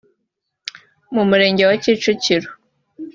mu Murenge wa Kicukiro